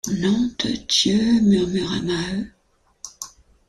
Nom de Dieu! murmura Maheu.